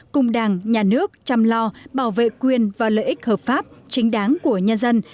cùng đảng nhà nước chăm lo bảo vệ quyền và lợi ích hợp pháp chính đáng của nhân dân